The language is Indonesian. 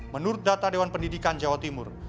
menurut data dewan pendidikan jawa timur